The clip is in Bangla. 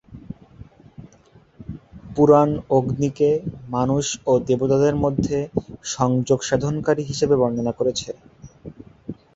পুরাণ অগ্নিকে মানুষ ও দেবতাদের মধ্যে সংযোগ সাধনকারী হিসেবে বর্ণনা করেছে।